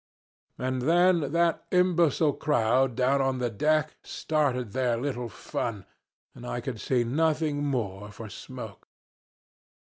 "And then that imbecile crowd down on the deck started their little fun, and I could see nothing more for smoke.